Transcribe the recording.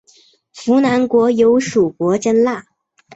扶南国有属国真腊。